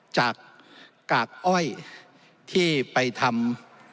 จากกากอ้อยที่ไปทำ